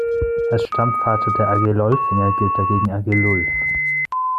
Als Stammvater der Agilolfinger gilt dagegen Agilulf.